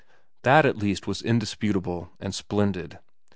That at least was indis putable and splendid.